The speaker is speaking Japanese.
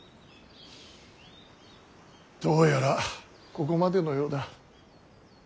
どうやらここまでのようだ。